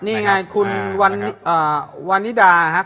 นี่ไงคุณวันนิดาครับ